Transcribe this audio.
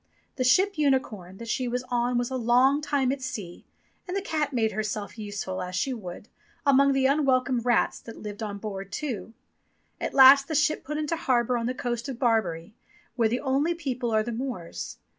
The ship Unicorn that she was on was a long time at sea, and the cat made herself useful, as she would, among the unwelcome rats that lived on board too. At last the ship put into harbour on the coast of Barbary, where the only people are the Moors.